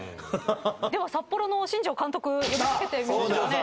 では札幌の新庄監督呼び掛けてみましょうかね。